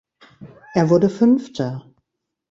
Er wurde Fünfter.